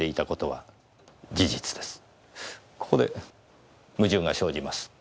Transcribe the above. ここで矛盾が生じます。